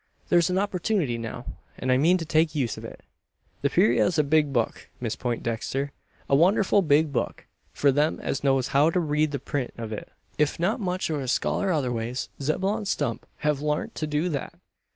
Thur's a opportunity now; an I mean to make use o' it. The purayra's a big book, Miss Peintdexter a wonderful big book for them as knows how to read the print o't. If not much o' a scholar otherways, Zeb'lon Stump hev larnt to do thet.